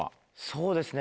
そうですね